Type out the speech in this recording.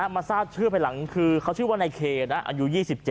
มาทราบชื่อไปหลังคือเขาชื่อว่าในเคอายุ๒๗